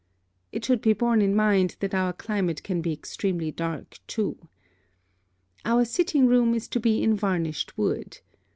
It should be borne in mind that our climate can be extremely dark, too. Our sitting room is to be in varnished wood.